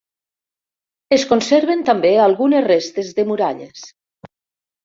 Es conserven també algunes restes de muralles.